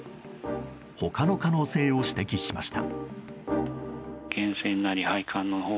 他の可能性を指摘しました。